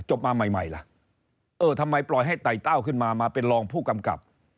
มาใหม่ล่ะเออทำไมปล่อยให้ไต่เต้าขึ้นมามาเป็นรองผู้กำกับ